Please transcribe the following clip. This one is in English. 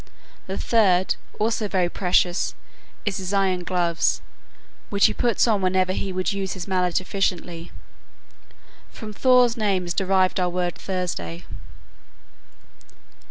The third, also very precious, is his iron gloves, which he puts on whenever he would use his mallet efficiently. From Thor's name is derived our word Thursday.